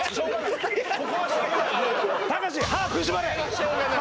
しょうがない